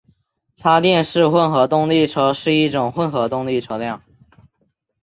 插电式混合动力车是一种混合动力车辆。